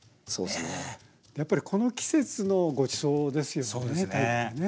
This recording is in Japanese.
やっぱりこの季節のごちそうですよね鯛ってね。